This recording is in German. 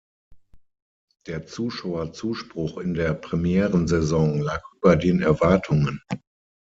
Der Zuschauerzuspruch in der Premierensaison lag über den Erwartungen.